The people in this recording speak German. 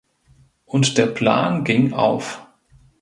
Und der Plan ging auf.